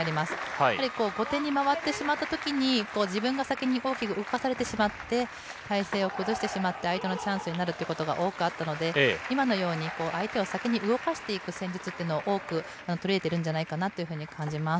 やはり後手に回ってしまったときに、自分が先に大きく動かされてしまって、体勢を崩してしまって、相手のチャンスになるということが多くあったので、今のように相手を先に動かしていく戦術というのを多く取り入れてるんじゃないかなというふうに感じます。